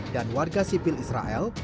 dan warga sipil israel